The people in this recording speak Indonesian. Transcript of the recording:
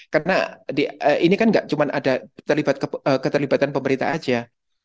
karena ini kan gak cuma ada keterlibatan pemerintah aja